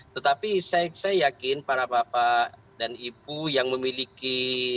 tetapi saya yakin para bapak dan ibu yang memiliki